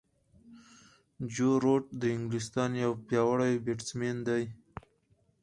جو روټ د انګلستان یو پیاوړی بیټسمېن دئ.